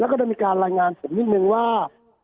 แล้วก็เรียกรายงานผมดิวนิดนึงว่า